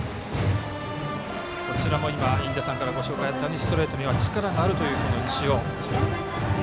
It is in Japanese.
こちらも今、印出さんからご紹介があったストレートには力があるという西尾。